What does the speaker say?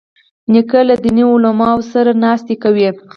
نیکه له دیني علماوو سره ناستې کوي.